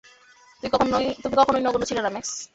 তুমি কখনোই নগণ্য ছিলে না, ম্যাক্স।